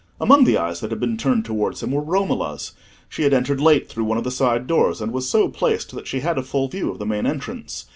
Among the eyes that had been turned towards him were Romola's: she had entered late through one of the side doors and was so placed that she had a full view of the main entrance.